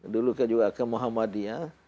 dulu juga ke muhammadiyah